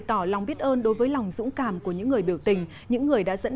tỏ lòng biết ơn đối với lòng dũng cảm của những người biểu tình những người đã dẫn